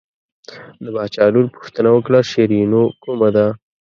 د باچا لور پوښتنه وکړه شیرینو کومه ده.